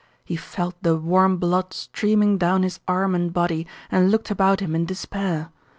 He felt the warm blood streaming down his arm and body and looked about him in despair.